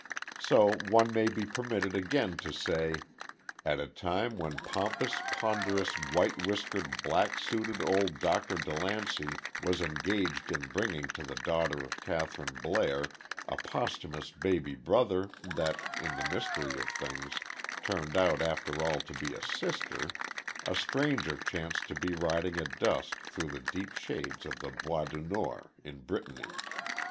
So one may be permitted again to say: At a time when pompous, ponderous, white whiskered, black suited old Dr. DeLancey was engaged in bringing to the daughter of Kathryn Blair a posthumous baby brother that, in the mystery of things, turned out after all to be a sister, a stranger chanced to be riding at dusk through the deep shades of the Bois du Nord, in Brittany.